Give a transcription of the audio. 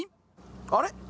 あれ？